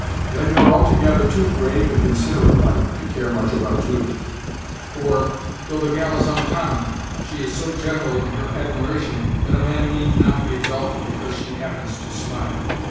Then you're altogether too grave and considerate like, to care much about Judith; for, though the gal is oncommon, she is so general in her admiration, that a man need not be exalted because she happens to smile.